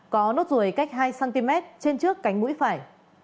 có nốt ruồi cách hai cm trên trước cánh mũi phải